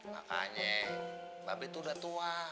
makanya mbak beto udah tua